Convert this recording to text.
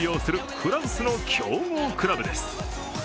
フランスの強豪クラブです。